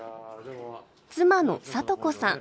妻の聡子さん。